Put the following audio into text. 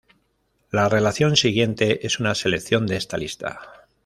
La relación siguiente es una selección de esta lista.